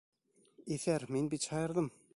Иҫәр, мин бит шаярҙым!